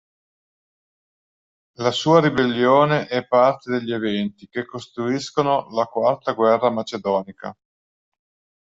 La sua ribellione è parte degli eventi che costituiscono la Quarta guerra macedonica.